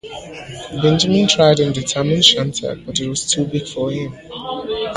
Benjamin tried on the tam-o-shanter, but it was too big for him.